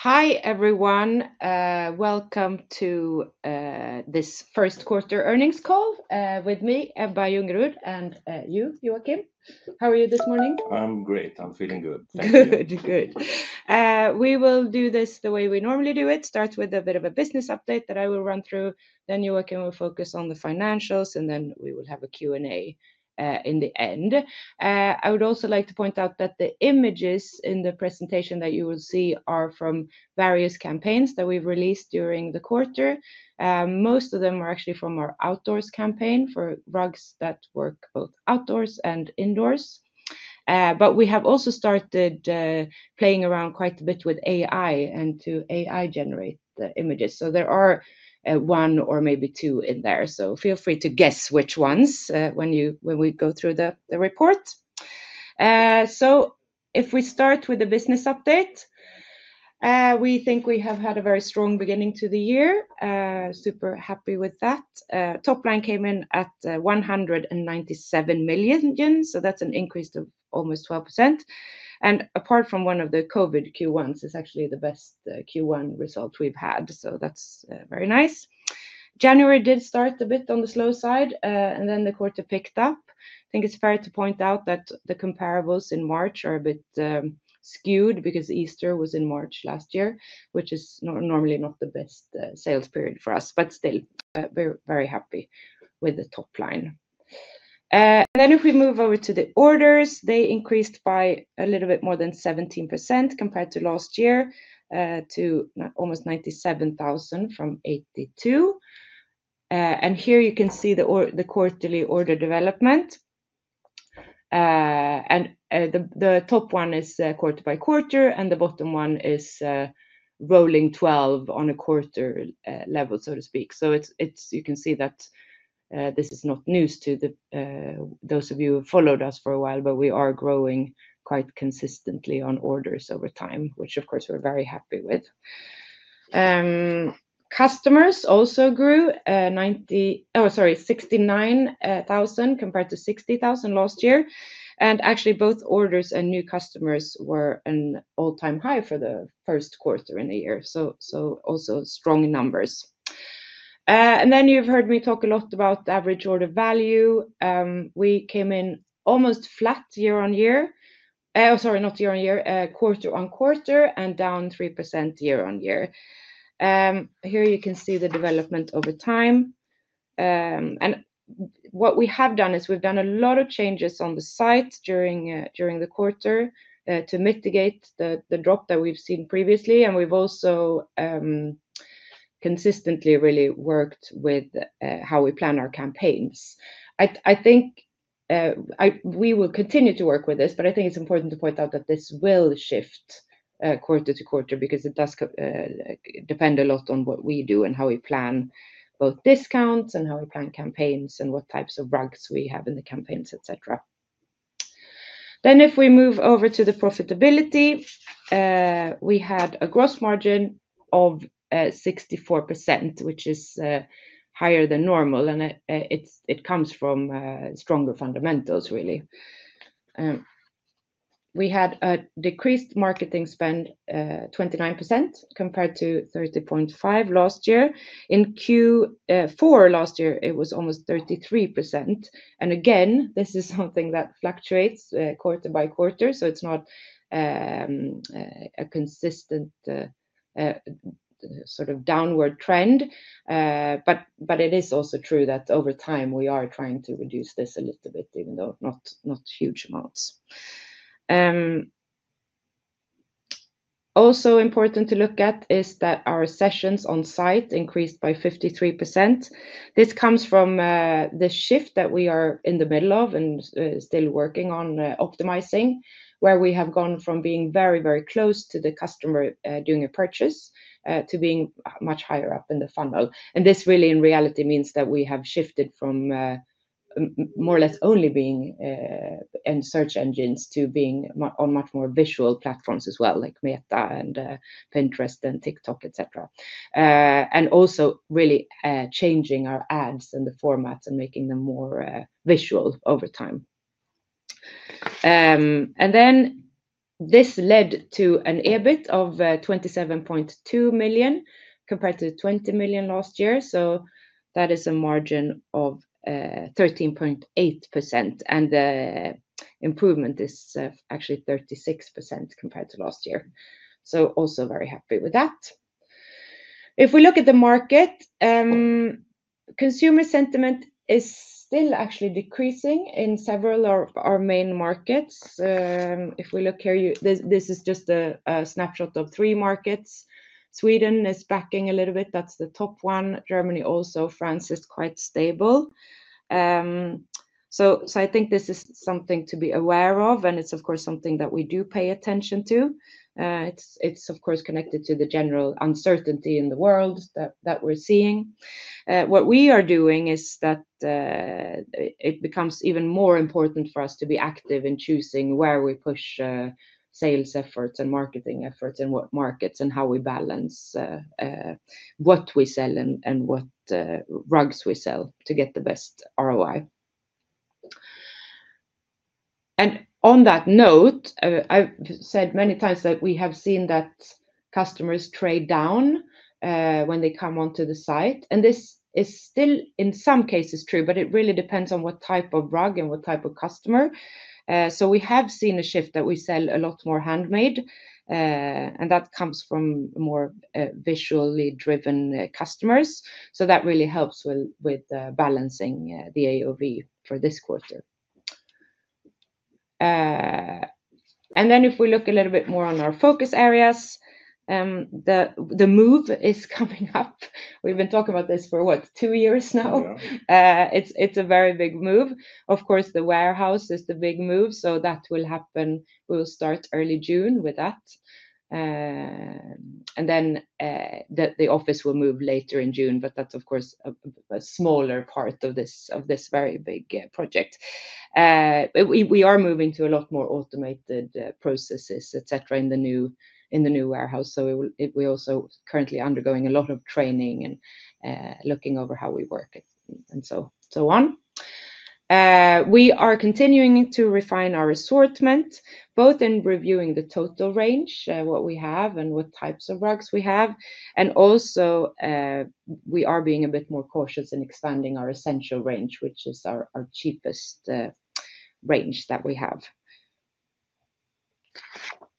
Hi everyone, welcome to this first quarter earnings call with me, Ebba Ljungerud, and you, Joakim. How are you this morning? I'm great. I'm feeling good. Thank you. Good, good. We will do this the way we normally do it: start with a bit of a business update that I will run through, then Joakim will focus on the financials, and then we will have a Q&A in the end. I would also like to point out that the images in the presentation that you will see are from various campaigns that we've released during the quarter. Most of them are actually from our outdoors campaign for rugs that work both outdoors and indoors. We have also started playing around quite a bit with AI and to AI-generate the images. There are one or maybe two in there, so feel free to guess which ones when you, when we go through the report. If we start with the business update, we think we have had a very strong beginning to the year. Super happy with that. Top line came in at SEK 197 million, so that's an increase of almost 12%. Apart from one of the COVID Q1s, it's actually the best Q1 result we've had, so that's very nice. January did start a bit on the slow side, and then the quarter picked up. I think it's fair to point out that the comparables in March are a bit skewed because Easter was in March last year, which is normally not the best sales period for us, but still, very, very happy with the top line. And then if we move over to the orders, they increased by a little bit more than 17% compared to last year, to almost 97,000 from 82,000. And here you can see the quarterly order development. The top one is quarter by quarter, and the bottom one is rolling 12 on a quarter level, so to speak. You can see that this is not news to those of you who have followed us for a while, but we are growing quite consistently on orders over time, which of course we are very happy with. Customers also grew, 69,000 compared to 60,000 last year. Actually, both orders and new customers were an all-time high for the first quarter in the year. Also strong numbers. You have heard me talk a lot about average order value. We came in almost flat quarter on quarter, and down 3% year on year. Here you can see the development over time. What we have done is we've done a lot of changes on the site during the quarter to mitigate the drop that we've seen previously. We've also consistently really worked with how we plan our campaigns. I think we will continue to work with this, but I think it's important to point out that this will shift quarter to quarter because it does depend a lot on what we do and how we plan both discounts and how we plan campaigns and what types of rugs we have in the campaigns, et cetera. If we move over to the profitability, we had a gross margin of 64%, which is higher than normal, and it comes from stronger fundamentals, really. We had a decreased marketing spend, 29% compared to 30.5% last year. In Q4 last year, it was almost 33%. This is something that fluctuates, quarter by quarter, so it's not a consistent, sort of downward trend. It is also true that over time we are trying to reduce this a little bit, even though not huge amounts. Also important to look at is that our sessions on site increased by 53%. This comes from the shift that we are in the middle of and still working on, optimizing, where we have gone from being very, very close to the customer, doing a purchase, to being much higher up in the funnel. This really, in reality, means that we have shifted from more or less only being in search engines to being on much more visual platforms as well, like Meta, Pinterest, and TikTok, ee cetera., and also really changing our ads and the formats and making them more visual over time. and then this led to an EBIT of 27.2 million compared to 20 million last year. That is a margin of 13.8%. The improvement is actually 36% compared to last year. Also very happy with that. If we look at the market, consumer sentiment is still actually decreasing in several of our main markets. If we look here, this is just a snapshot of three markets. Sweden is backing a little bit. That is the top one. Germany also. France is quite stable. I think this is something to be aware of, and it is of course something that we do pay attention to. It is of course connected to the general uncertainty in the world that we are seeing. What we are doing is that it becomes even more important for us to be active in choosing where we push sales efforts and marketing efforts and what markets and how we balance what we sell and what rugs we sell to get the best ROI. On that note, I've said many times that we have seen that customers trade down when they come onto the site. This is still, in some cases, true, but it really depends on what type of rug and what type of customer. We have seen a shift that we sell a lot more handmade, and that comes from more visually driven customers. That really helps with balancing the AOV for this quarter. If we look a little bit more on our focus areas, the move is coming up. We've been talking about this for what, two years now? Yeah. It's a very big move. Of course, the warehouse is the big move, so that will happen. We'll start early June with that. Then the office will move later in June, but that's, of course, a smaller part of this very big project. We are moving to a lot more automated processes, et cetera., in the new warehouse. We are also currently undergoing a lot of training and looking over how we work and so on. We are continuing to refine our assortment, both in reviewing the total range, what we have and what types of rugs we have. Also, we are being a bit more cautious in expanding our essential range, which is our cheapest range that we have.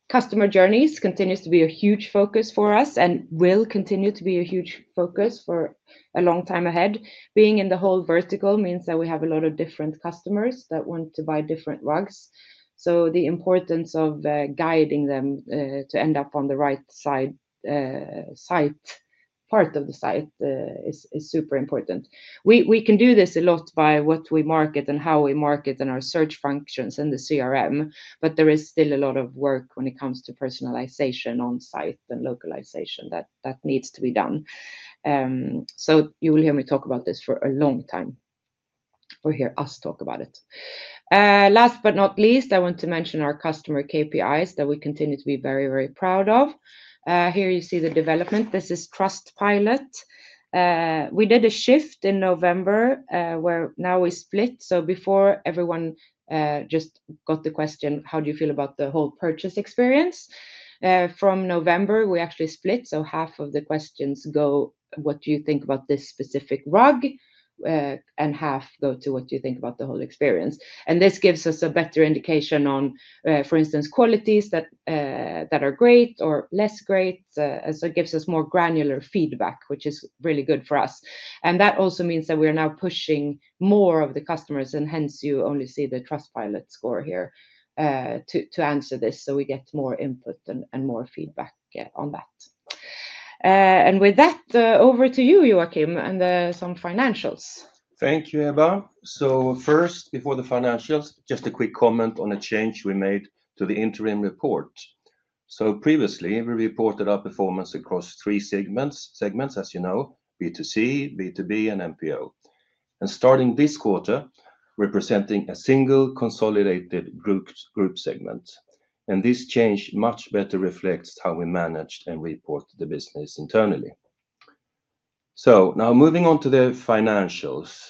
Customer journeys continue to be a huge focus for us and will continue to be a huge focus for a long time ahead. Being in the whole vertical means that we have a lot of different customers that want to buy different rugs. The importance of guiding them to end up on the right part of the site is super important. We can do this a lot by what we market and how we market and our search functions and the CRM, but there is still a lot of work when it comes to personalization on site and localization that needs to be done. You will hear me talk about this for a long time. You will hear us talk about it. Last but not least, I want to mention our customer KPIs that we continue to be very, very proud of. Here you see the development. This is Trustpilot. We did a shift in November, where now we split. Before, everyone just got the question, how do you feel about the whole purchase experience? From November, we actually split. Half of the questions go, what do you think about this specific rug? and half go to what do you think about the whole experience? This gives us a better indication on, for instance, qualities that are great or less great. It gives us more granular feedback, which is really good for us. That also means that we are now pushing more of the customers, and hence you only see the Trustpilot score here, to answer this. We get more input and more feedback on that. With that, over to you, Joakim, and some financials. Thank you, Ebba. First, before the financials, just a quick comment on a change we made to the interim report. Previously, we reported our performance across three segments, as you know, B2C, B2B, and MPO. Starting this quarter, we're presenting a single consolidated group segment. This change much better reflects how we managed and reported the business internally. Now moving on to the financials,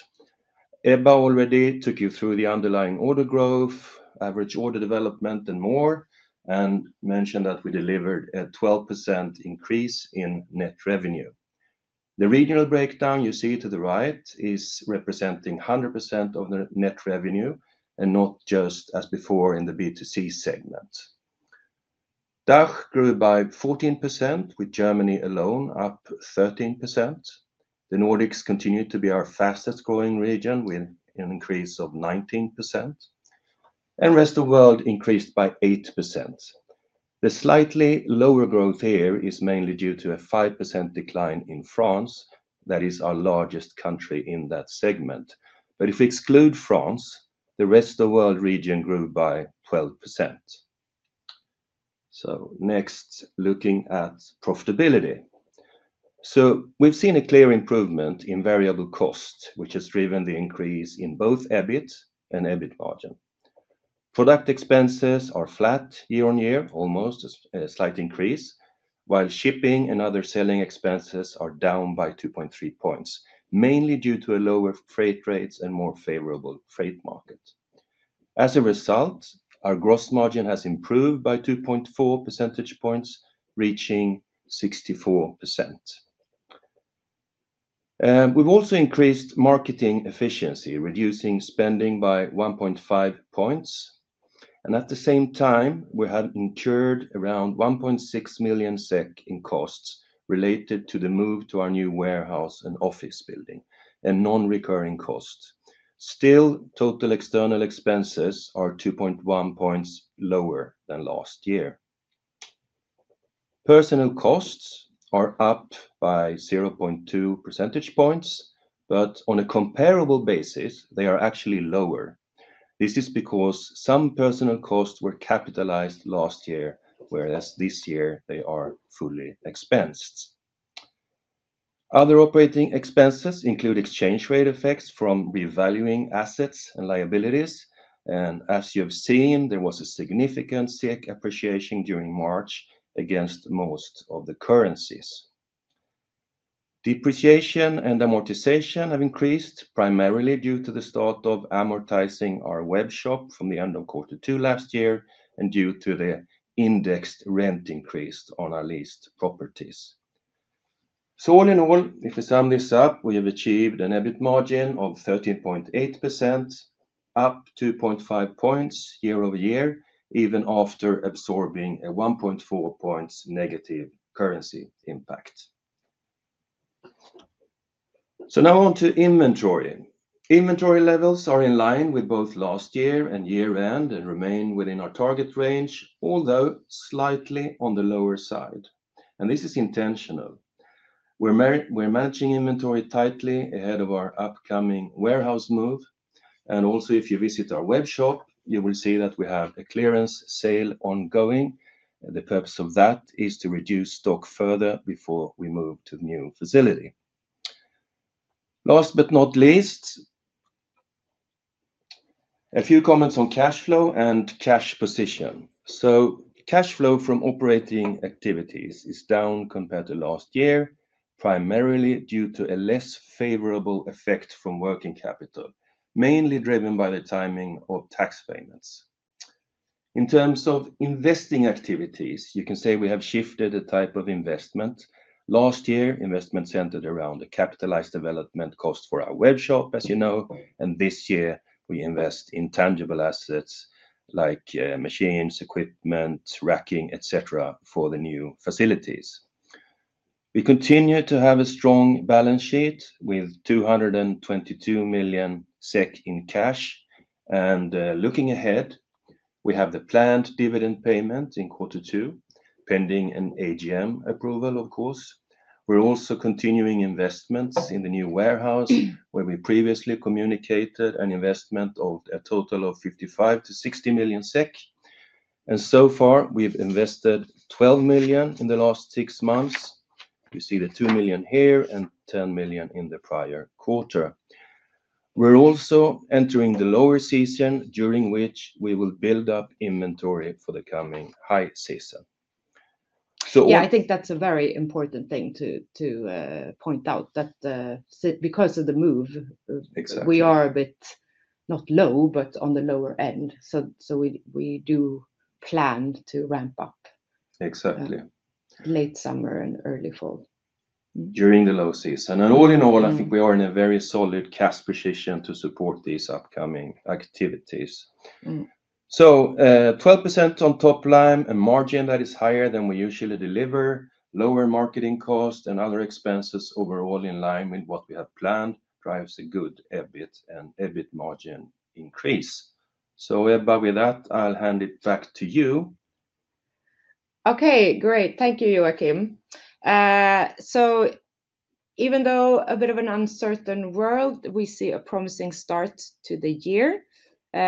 Ebba already took you through the underlying order growth, average order development, and more, and mentioned that we delivered a 12% increase in net revenue. The regional breakdown you see to the right is representing 100% of the net revenue and not just as before in the B2C segment. DACH grew by 14% with Germany alone up 13%. The Nordics continued to be our fastest growing region with an increase of 19%. The rest of the world increased by 8%. The slightly lower growth here is mainly due to a 5% decline in France. That is our largest country in that segment. If we exclude France, the rest of the world region grew by 12%. Next, looking at profitability. We have seen a clear improvement in variable cost, which has driven the increase in both EBIT and EBIT margin. Product expenses are flat year on year, almost a slight increase, while shipping and other selling expenses are down by 2.3 points, mainly due to lower freight rates and a more favorable freight market. As a result, our gross margin has improved by 2.4 percentage points, reaching 64%. We have also increased marketing efficiency, reducing spending by 1.5 points. At the same time, we had incurred around 1.6 million SEK in costs related to the move to our new warehouse and office building and non-recurring costs. Still, total external expenses are 2.1 points lower than last year. Personnel costs are up by 0.2 percentage points, but on a comparable basis, they are actually lower. This is because some personnel costs were capitalized last year, whereas this year they are fully expensed. Other operating expenses include exchange rate effects from revaluing assets and liabilities. As you have seen, there was a significant SEK appreciation during March against most of the currencies. Depreciation and amortization have increased primarily due to the start of amortizing our webshop from the end of quarter two last year and due to the indexed rent increase on our leased properties. All in all, if we sum this up, we have achieved an EBIT margin of 13.8%, up 2.5 points year over year, even after absorbing a 1.4 points negative currency impact. Now on to inventory. Inventory levels are in line with both last year and year-end and remain within our target range, although slightly on the lower side. This is intentional. We are managing inventory tightly ahead of our upcoming warehouse move. Also, if you visit our web-shop, you will see that we have a clearance sale ongoing. The purpose of that is to reduce stock further before we move to the new facility. Last but not least, a few comments on cash flow and cash position. Cash flow from operating activities is down compared to last year, primarily due to a less favorable effect from working capital, mainly driven by the timing of tax payments. In terms of investing activities, you can say we have shifted the type of investment. Last year, investment centered around a capitalized development cost for our web-shop, as you know, and this year we invest in tangible assets like machines, equipment, racking, et cetera., for the new facilities. We continue to have a strong balance sheet with 222 million SEK in cash. Looking ahead, we have the planned dividend payment in quarter two, pending an AGM approval, of course. We are also continuing investments in the new warehouse, where we previously communicated an investment of a total of 55-60 million SEK. So far, we have invested 12 million in the last six months. You see the 2 million here and 10 million in the prior quarter. We are also entering the lower season, during which we will build up inventory for the coming high season. Yeah, I think that's a very important thing to point out, that because of the move. Exactly. We are a bit not low, but on the lower end. We do plan to ramp up. Exactly. Late summer and early fall. During the low season. All in all, I think we are in a very solid cash position to support these upcoming activities. Mm-hmm. Twelve percent on top line and margin that is higher than we usually deliver, lower marketing cost and other expenses overall in line with what we have planned, drives a good EBIT and EBIT margin increase. Ebba, with that, I'll hand it back to you. Okay, great. Thank you, Joakim. Even though a bit of an uncertain world, we see a promising start to the year,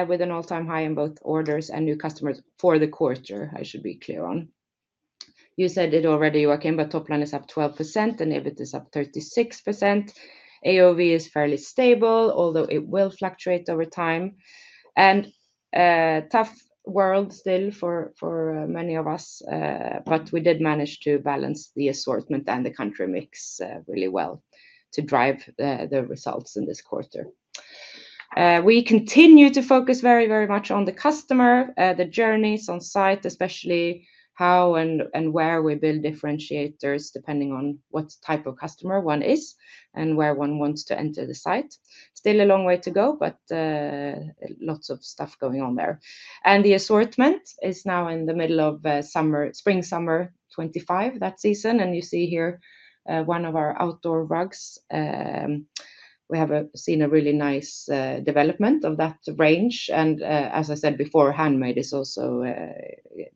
with an all-time high in both orders and new customers for the quarter, I should be clear on. You said it already, Joakim, but top line is up 12% and EBIT is up 36%. AOV is fairly stable, although it will fluctuate over time. Tough world still for many of us, but we did manage to balance the assortment and the country mix really well to drive the results in this quarter. We continue to focus very, very much on the customer, the journeys on site, especially how and where we build differentiators depending on what type of customer one is and where one wants to enter the site. Still a long way to go, but lots of stuff going on there. The assortment is now in the middle of summer, spring-summer 2025, that season. You see here, one of our outdoor rugs. We have seen a really nice development of that range. As I said before, handmade is also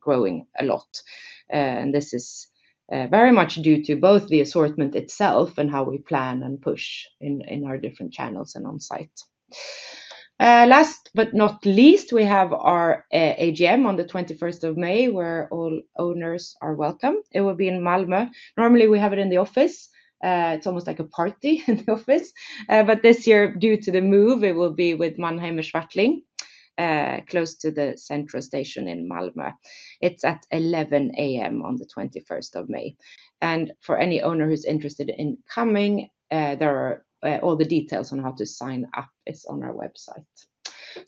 growing a lot, and this is very much due to both the assortment itself and how we plan and push in our different channels and on site. Last but not least, we have our AGM on the 21st of May, where all owners are welcome. It will be in Malmö. Normally we have it in the office. It's almost like a party in the office, but this year, due to the move, it will be with Mannheimer Swartling, close to the central station in Malmö. It's at 11:00 A.M. on the 21st of May. For any owner who's interested in coming, all the details on how to sign up is on our website.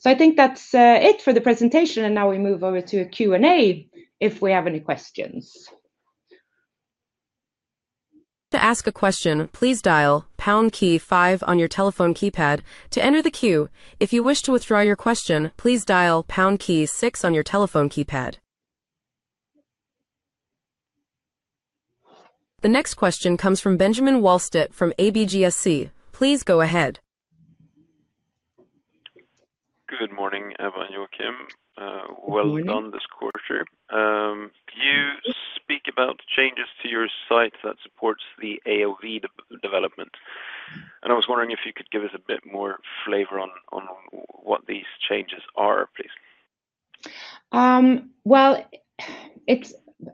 I think that's it for the presentation. Now we move over to a Q&A if we have any questions. To ask a question, please dial pound key five on your telephone keypad to enter the queue. If you wish to withdraw your question, please dial pound key six on your telephone keypad. The next question comes from Benjamin Wahlstedt from ABGSG. Please go ahead. Good morning, Ebba and Joakim. Well done this quarter. You speak about changes to your site that supports the AOV development. I was wondering if you could give us a bit more flavor on what these changes are, please.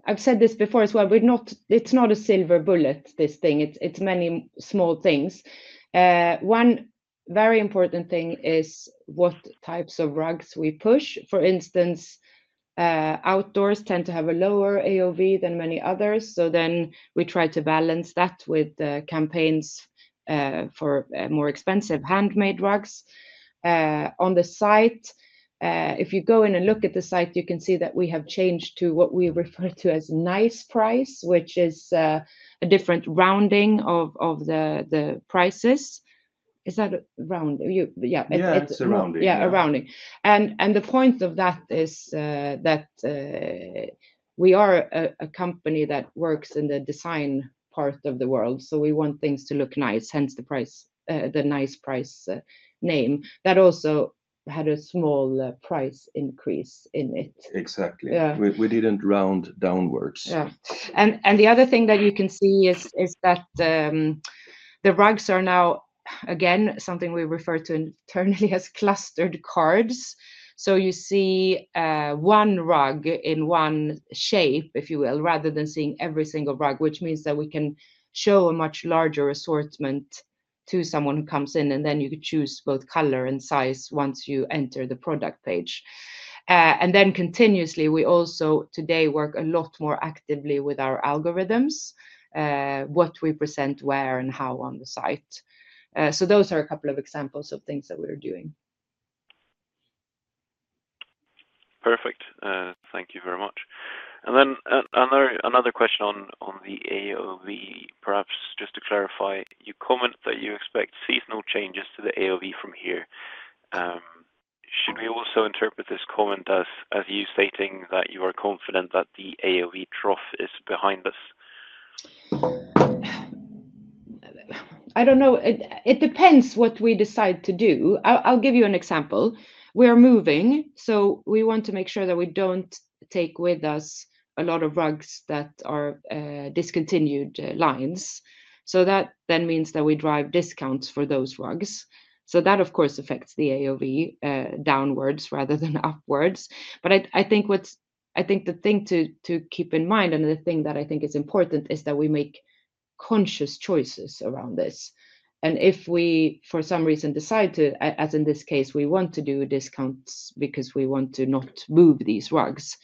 I've said this before as well, we're not, it's not a silver bullet, this thing. It's many small things. One very important thing is what types of rugs we push. For instance, outdoors tend to have a lower AOV than many others. So then we try to balance that with campaigns for more expensive handmade rugs. On the site, if you go in and look at the site, you can see that we have changed to what we refer to as nice price, which is a different rounding of the prices. Is that rounding? You, yeah. Yeah, it's a rounding. Yeah, a rounding. The point of that is that we are a company that works in the design part of the world. We want things to look nice, hence the price, the nice price name that also had a small price increase in it. Exactly. Yeah. We didn't round downwards. Yeah. The other thing that you can see is that the rugs are now, again, something we refer to internally as clustered cards. You see one rug in one shape, if you will, rather than seeing every single rug, which means that we can show a much larger assortment to someone who comes in, and then you could choose both color and size once you enter the product page. Continuously, we also today work a lot more actively with our algorithms, what we present, where, and how on the site. Those are a couple of examples of things that we are doing. Perfect. Thank you very much. Another question on the AOV, perhaps just to clarify, you comment that you expect seasonal changes to the AOV from here. Should we also interpret this comment as you stating that you are confident that the AOV trough is behind us? I don't know. It depends what we decide to do. I'll give you an example. We are moving, so we want to make sure that we don't take with us a lot of rugs that are discontinued lines. That then means that we drive discounts for those rugs. That, of course, affects the AOV, downwards rather than upwards. I think the thing to keep in mind, and the thing that I think is important, is that we make conscious choices around this. If we for some reason decide to, as in this case, we want to do discounts because we want to not move these rugs,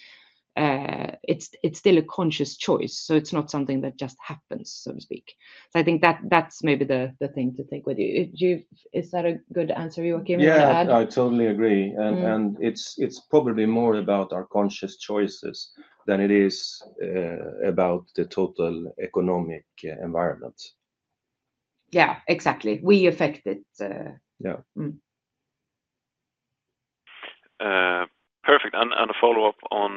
it's still a conscious choice. It's not something that just happens, so to speak. I think that's maybe the thing to take with you. Do you, is that a good answer, Joakim? Yeah, I totally agree. It is probably more about our conscious choices than it is about the total economic environment. Yeah, exactly. We affect it. Yeah. Perfect. And a follow-up on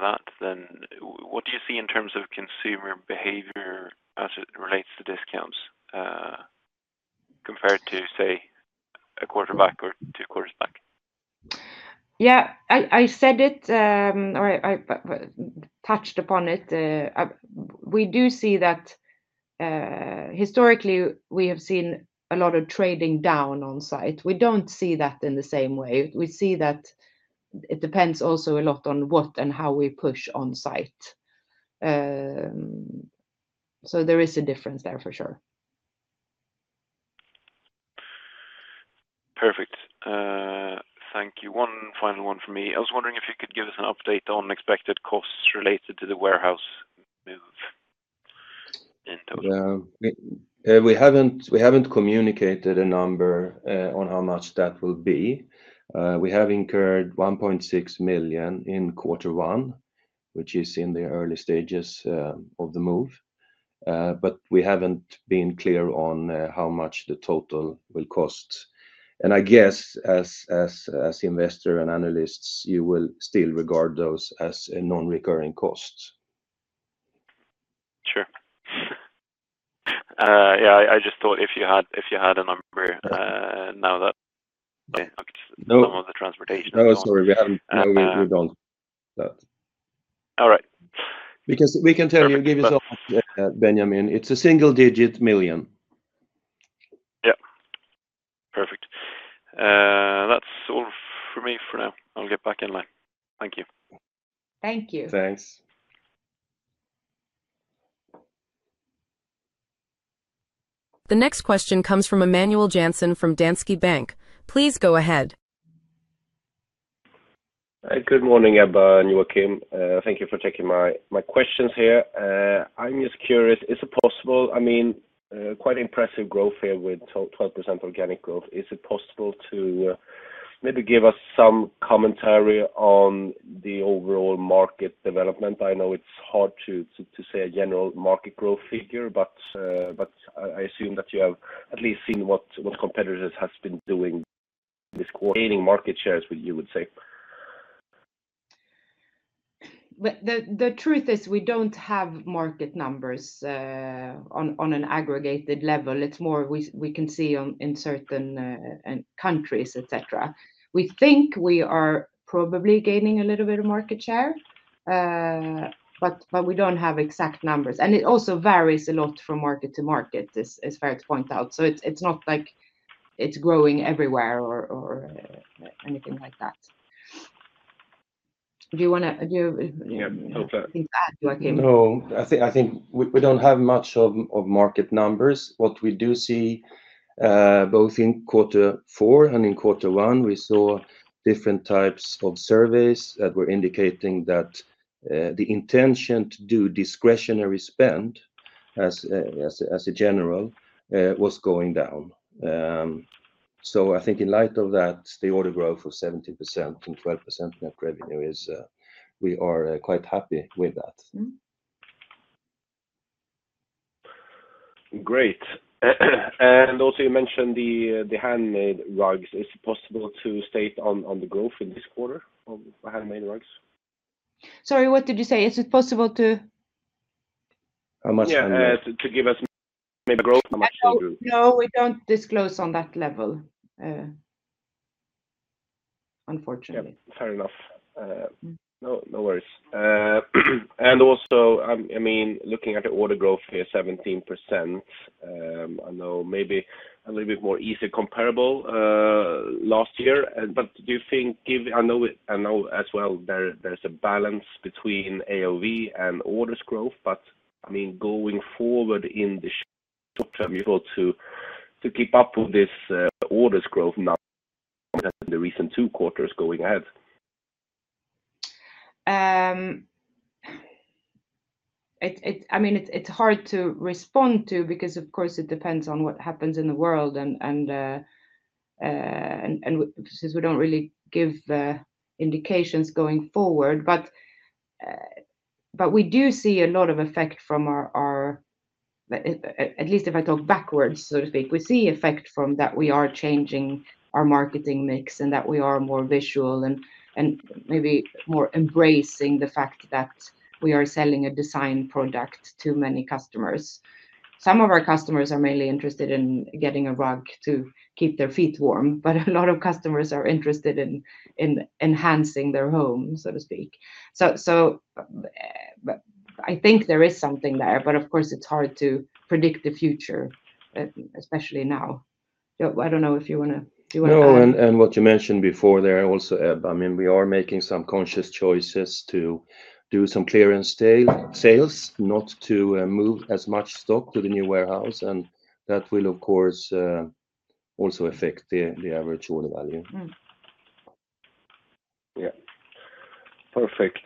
that then, what do you see in terms of consumer behavior as it relates to discounts, compared to, say, a quarter back or two quarters back? Yeah, I said it, or I touched upon it. We do see that, historically, we have seen a lot of trading down on site. We do not see that in the same way. We see that it depends also a lot on what and how we push on site. There is a difference there for sure. Perfect. Thank you. One final one for me. I was wondering if you could give us an update on expected costs related to the warehouse move in total. Yeah, we haven't communicated a number on how much that will be. We have incurred 1.6 million in quarter one, which is in the early stages of the move, but we haven't been clear on how much the total will cost. I guess as investors and analysts, you will still regard those as a non-recurring cost. Sure. Yeah, I just thought if you had, if you had a number, now that. No. Some of the transportation. No, sorry, we haven't. No, we don't do that. All right. We can tell you, Benjamin. It's a single-digit million. Yeah. Perfect. That's all for me for now. I'll get back in line. Thank you. Thank you. Thanks. The next question comes from Emmanuel Janssen from Danske Bank. Please go ahead. Good morning, Ebba and Joakim. Thank you for taking my questions here. I'm just curious, is it possible, I mean, quite impressive growth here with 12% organic growth. Is it possible to maybe give us some commentary on the overall market development? I know it's hard to say a general market growth figure, but I assume that you have at least seen what competitors have been doing this quarter, gaining market shares, would you say. The truth is we don't have market numbers on an aggregated level. It's more we can see in certain countries, etc. We think we are probably gaining a little bit of market share, but we don't have exact numbers. It also varies a lot from market to market, is fair to point out. It's not like it's growing everywhere or anything like that. Do you have anything to add, Joakim? No, I think we don't have much of market numbers. What we do see, both in quarter four and in quarter one, we saw different types of surveys that were indicating that the intention to do discretionary spend as a general, was going down. I think in light of that, the order growth of 17% and 12% net revenue is, we are quite happy with that. Great. You mentioned the handmade rugs. Is it possible to state on the growth in this quarter of handmade rugs? Sorry, what did you say? Is it possible to? How much handmade? Yeah, to give us maybe growth, how much they grew? No, we don't disclose on that level, unfortunately. Fair enough. No, no worries. I mean, looking at the order growth here, 17%, I know maybe a little bit more easily comparable last year. Do you think, I know as well there is a balance between AOV and orders growth, but I mean, going forward in the short term, you are able to keep up with this orders growth now in the recent two quarters going ahead? I mean, it's hard to respond to because, of course, it depends on what happens in the world and since we don't really give indications going forward. We do see a lot of effect from our, at least if I talk backwards, so to speak, we see effect from that we are changing our marketing mix and that we are more visual and maybe more embracing the fact that we are selling a design product to many customers. Some of our customers are mainly interested in getting a rug to keep their feet warm, but a lot of customers are interested in enhancing their home, so to speak. I think there is something there, but of course, it's hard to predict the future, especially now. I don't know if you want to, do you want to? No, and what you mentioned before there also, Ebba, I mean, we are making some conscious choices to do some clearance sales, not to move as much stock to the new warehouse. That will, of course, also affect the average order value. Yeah. Perfect.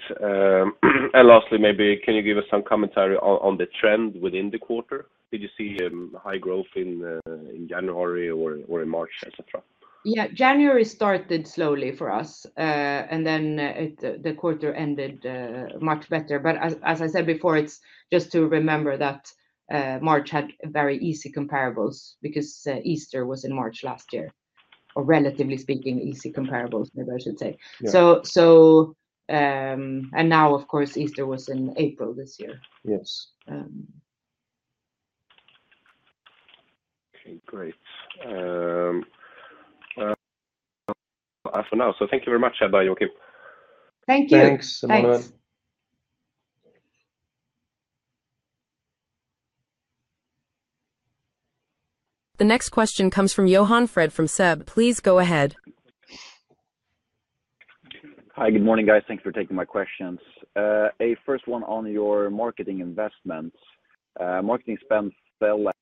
And lastly, maybe can you give us some commentary on the trend within the quarter? Did you see a high growth in January or in March, et cetera? Yeah, January started slowly for us, and then it, the quarter ended, much better. As I said before, it's just to remember that March had very easy comparables because Easter was in March last year, or relatively speaking, easy comparables maybe I should say. Now, of course, Easter was in April this year. Yes. Okay, great. For now, so thank you very much, Ebba, Joakim. Thank you. Thanks. Bye-bye. The next question comes from Johan Fred from SEB. Please go ahead. Hi, good morning guys. Thanks for taking my questions. A first one on your marketing investments. Marketing spend fell as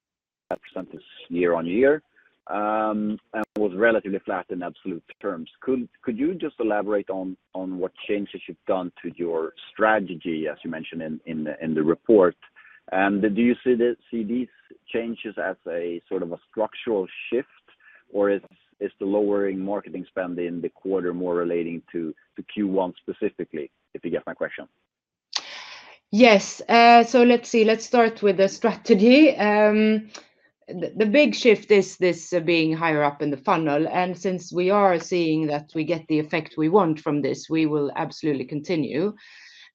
a percentage year on year, and was relatively flat in absolute terms. Could you just elaborate on what changes you've done to your strategy, as you mentioned in the report? Do you see these changes as a sort of a structural shift, or is the lowering marketing spend in the quarter more relating to Q1 specifically, if you get my question? Yes. Let's see. Let's start with the strategy. The big shift is this being higher up in the funnel. Since we are seeing that we get the effect we want from this, we will absolutely continue.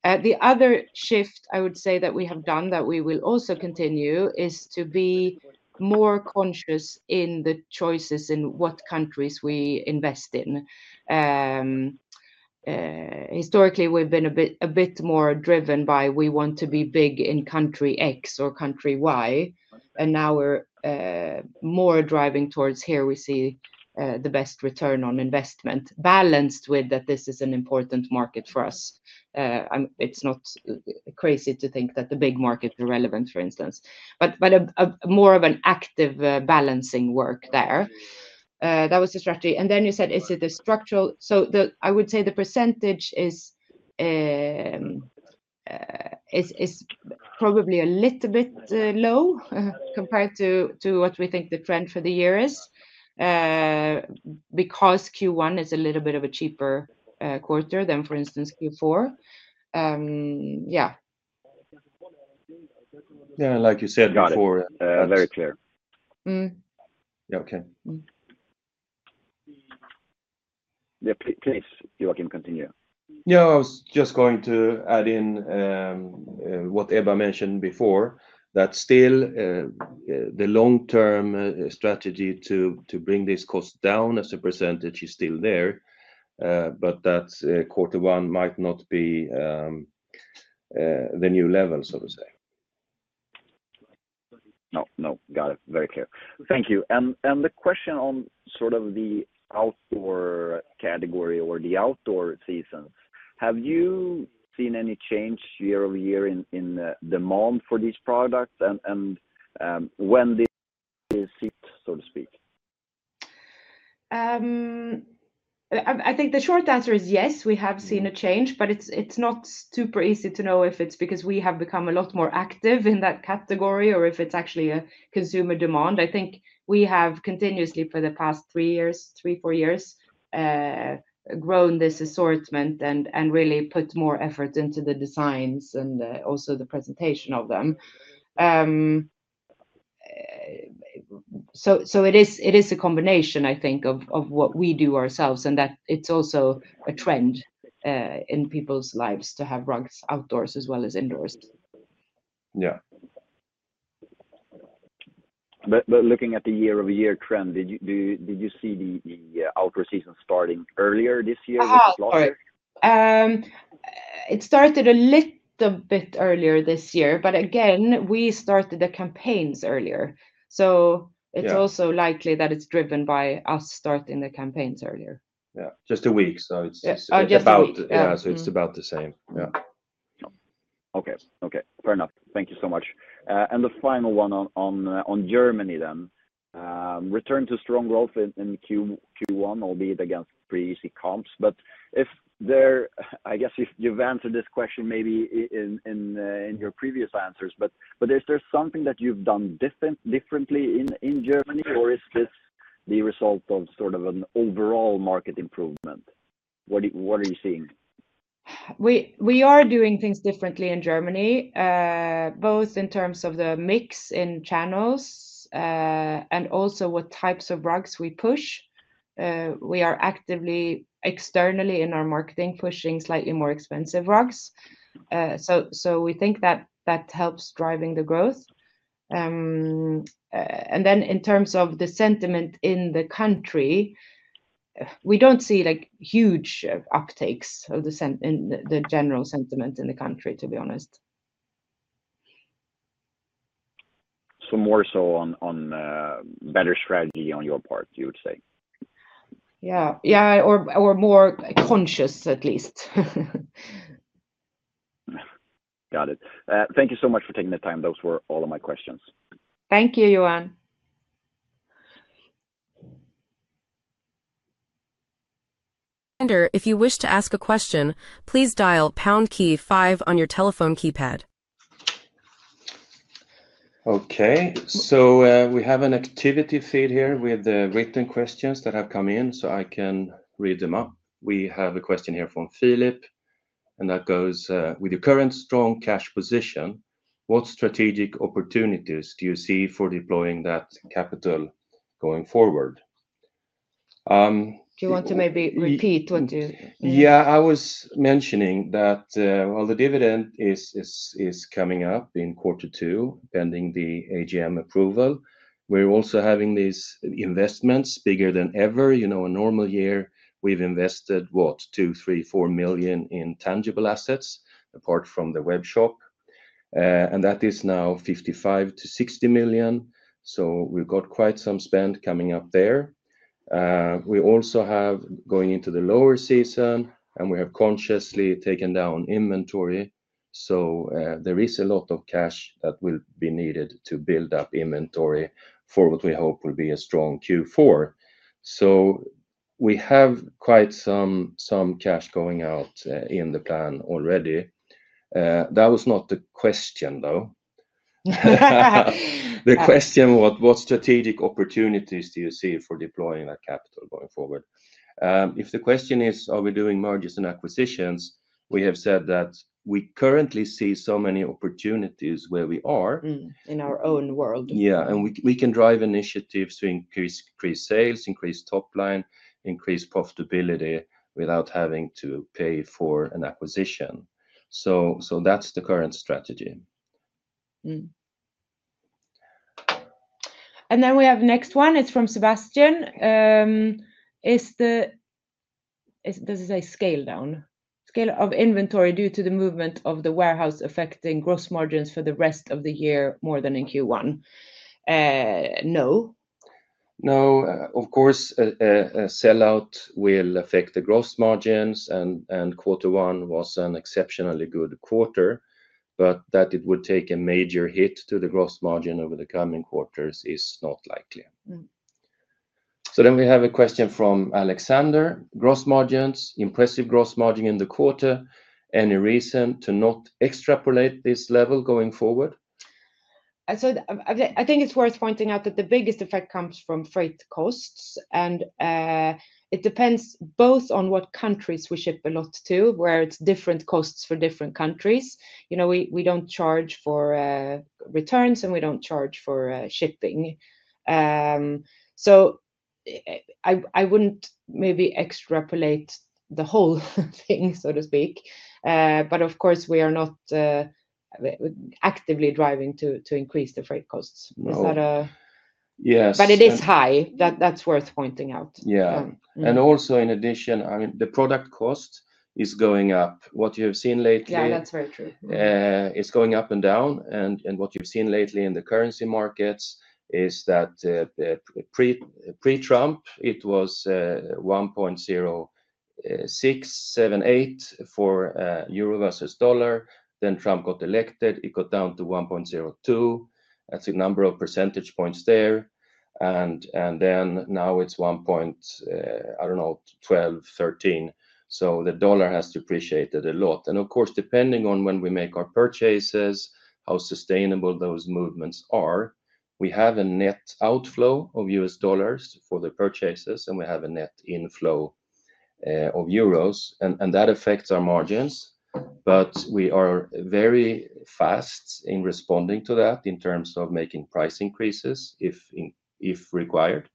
The other shift I would say that we have done that we will also continue is to be more conscious in the choices in what countries we invest in. Historically, we've been a bit more driven by we want to be big in country X or country Y. Now we're more driving towards here we see the best return on investment, balanced with that this is an important market for us. It's not crazy to think that the big markets are relevant, for instance, but more of an active balancing work there. That was the strategy. Then you said, is it a structural? I would say the percentage is probably a little bit low compared to what we think the trend for the year is, because Q1 is a little bit of a cheaper quarter than, for instance, Q4. Yeah. Yeah, like you said, Q4. Got it. Very clear. Yeah, okay. Yeah, please, Joakim, continue. Yeah, I was just going to add in what Ebba mentioned before, that still, the long-term strategy to bring these costs down as a percentage is still there, but that quarter one might not be the new level, so to say. No, no. Got it. Very clear. Thank you. The question on sort of the outdoor category or the outdoor seasons, have you seen any change year over year in the demand for these products? When this hit, so to speak? I think the short answer is yes, we have seen a change, but it's not super easy to know if it's because we have become a lot more active in that category or if it's actually a consumer demand. I think we have continuously for the past three years, three, four years, grown this assortment and really put more effort into the designs and also the presentation of them. It is a combination, I think, of what we do ourselves and that it's also a trend in people's lives to have rugs outdoors as well as indoors. Yeah. Looking at the year-over-year trend, did you see the outdoor season starting earlier this year? It started a little bit earlier this year, but again, we started the campaigns earlier. It is also likely that it is driven by us starting the campaigns earlier. Yeah, just a week. So it's about, yeah, so it's about the same. Yeah. Okay, okay. Fair enough. Thank you so much. The final one on Germany then, return to strong growth in Q1, albeit against pretty easy comps. I guess you've answered this question maybe in your previous answers, but is there something that you've done differently in Germany, or is this the result of sort of an overall market improvement? What are you seeing? We are doing things differently in Germany, both in terms of the mix in channels and also what types of rugs we push. We are actively externally in our marketing pushing slightly more expensive rugs. We think that helps driving the growth. In terms of the sentiment in the country, we do not see huge uptakes of the sentiment, the general sentiment in the country, to be honest. More so on, on better strategy on your part, you would say? Yeah, yeah, or more conscious at least. Got it. Thank you so much for taking the time. Those were all of my questions. Thank you, Johan. If you wish to ask a question, please dial pound key five on your telephone keypad. Okay. We have an activity feed here with the written questions that have come in, so I can read them up. We have a question here from Filip, and that goes, with your current strong cash position, what strategic opportunities do you see for deploying that capital going forward? Do you want to maybe repeat what you? Yeah, I was mentioning that, while the dividend is coming up in quarter two, pending the AGM approval, we're also having these investments bigger than ever. You know, a normal year we've invested what, two, three, four million in tangible assets apart from the web-shop, and that is now 55-60 million. So we've got quite some spend coming up there. We also have going into the lower season, and we have consciously taken down inventory. So, there is a lot of cash that will be needed to build up inventory for what we hope will be a strong Q4. We have quite some cash going out, in the plan already. That was not the question though. The question was, what strategic opportunities do you see for deploying that capital going forward? If the question is, are we doing mergers and acquisitions, we have said that we currently see so many opportunities where we are. In our own world. Yeah. We can drive initiatives to increase sales, increase top line, increase profitability without having to pay for an acquisition. That is the current strategy. Next one is from Sebastian. Is the scale down, scale of inventory due to the movement of the warehouse affecting gross margins for the rest of the year more than in Q1? No. No, of course, sellout will affect the gross margins. Quarter one was an exceptionally good quarter, but that it would take a major hit to the gross margin over the coming quarters is not likely. We have a question from Alexander. Gross margins, impressive gross margin in the quarter. Any reason to not extrapolate this level going forward? I think it's worth pointing out that the biggest effect comes from freight costs. It depends both on what countries we ship a lot to, where it's different costs for different countries. You know, we don't charge for returns and we don't charge for shipping. I wouldn't maybe extrapolate the whole thing, so to speak. Of course, we are not actively driving to increase the freight costs. Is that a? Yes. It is high. That's worth pointing out. Yeah. Also, in addition, I mean, the product cost is going up. What you have seen lately. Yeah, that's very true. It's going up and down. What you've seen lately in the currency markets is that, pre-Trump, it was 1.0678 for euro versus dollar. Then Trump got elected, it got down to 1.02. That's a number of percentage points there. Now it's 1.0, I don't know, 12, 13. The dollar has depreciated a lot. Of course, depending on when we make our purchases, how sustainable those movements are, we have a net outflow of U.S. dollars for the purchases, and we have a net inflow of euros. That affects our margins. We are very fast in responding to that in terms of making price increases if required.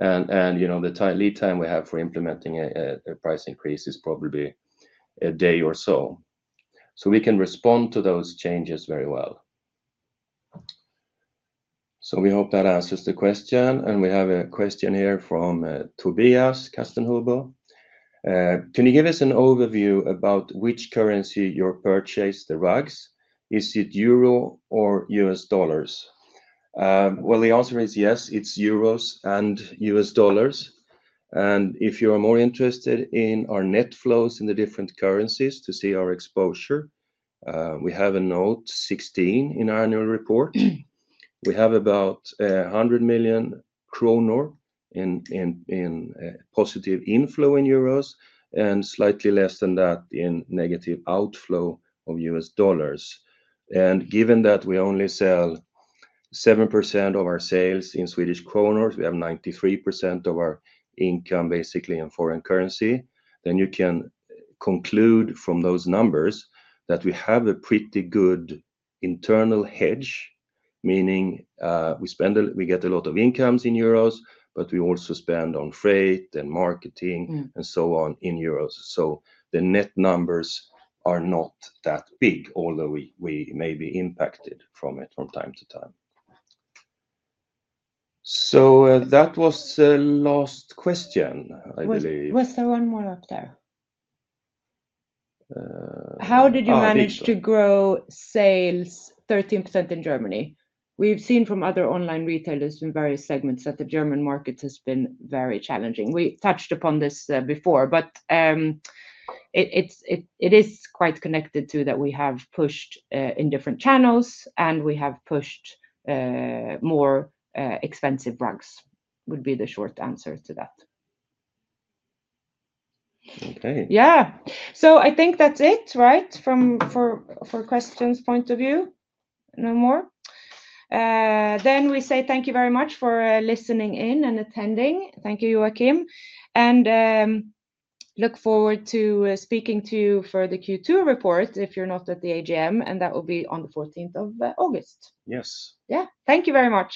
You know, the lead time we have for implementing a price increase is probably a day or so. We can respond to those changes very well. We hope that answers the question. We have a question here from Tobias Kastenhouber. Can you give us an overview about which currency you purchase the rugs? Is it euro or U.S. dollars? The answer is yes, it is euros and U.S. dollars. If you are more interested in our net flows in the different currencies to see our exposure, we have note 16 in our annual report. We have about 100 million kronor in positive inflow in euros and slightly less than that in negative outflow of U.S. dollars. Given that we only sell 7% of our sales in Swedish krona, we have 93% of our income basically in foreign currency. You can conclude from those numbers that we have a pretty good internal hedge, meaning, we get a lot of incomes in euros, but we also spend on freight and marketing and so on in euros. The net numbers are not that big, although we may be impacted from it from time to time. That was the last question, I believe. Was there one more up there? How did you manage to grow sales 13% in Germany? We've seen from other online retailers in various segments that the German market has been very challenging. We touched upon this before, but it's quite connected to that we have pushed in different channels and we have pushed more expensive rugs would be the short answer to that. Okay. Yeah. I think that's it, right? From a questions point of view, no more. We say thank you very much for listening in and attending. Thank you, Joakim. I look forward to speaking to you for the Q2 report if you're not at the AGM, and that will be on the 14th of August. Yes. Yeah. Thank you very much.